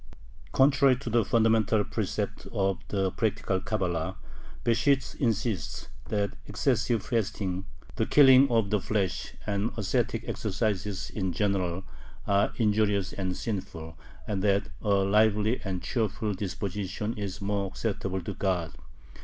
Contrary to the fundamental precept of the Practical Cabala, Besht insists that excessive fasting, the killing of the flesh, and ascetic exercises in general, are injurious and sinful, and that a lively and cheerful disposition is more acceptable to God.